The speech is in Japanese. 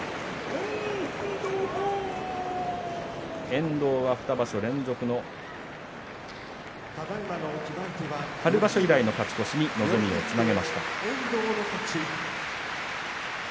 遠藤は２場所連続の春場所以来の勝ち越しに望みをつなぎました。